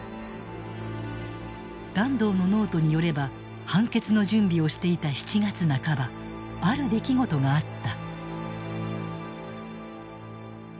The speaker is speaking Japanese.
團藤のノートによれば判決の準備をしていた７月半ばある出来事があった。